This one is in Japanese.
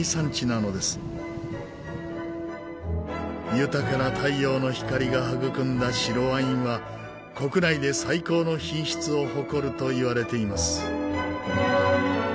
豊かな太陽の光が育んだ白ワインは国内で最高の品質を誇るといわれています。